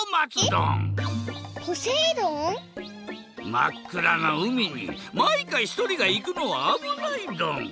まっくらな海にマイカひとりがいくのはあぶないドン。